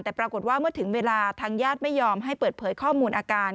แต่ปรากฏว่าเมื่อถึงเวลาทางญาติไม่ยอมให้เปิดเผยข้อมูลอาการ